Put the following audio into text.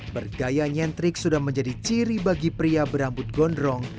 bergaya nyentrik sudah menjadi ciri bagi pria berambut gondrong